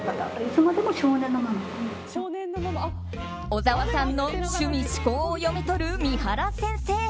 小沢さんの趣味嗜好を読み取る三原先生。